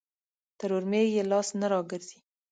تر اورمېږ يې لاس نه راګرځي.